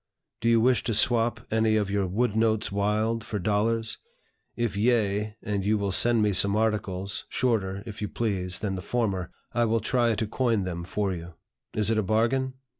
Do you wish to swap any of your 'wood notes wild' for dollars? If yea, and you will sell me some articles, shorter, if you please, than the former, I will try to coin them for you. Is it a bargain?